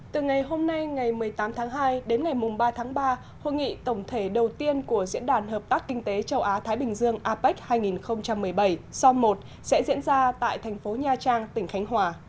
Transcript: từ ngày hôm nay ngày một mươi tám tháng hai đến ngày ba tháng ba hội nghị tổng thể đầu tiên của diễn đàn hợp tác kinh tế châu á thái bình dương apec hai nghìn một mươi bảy som một sẽ diễn ra tại thành phố nha trang tỉnh khánh hòa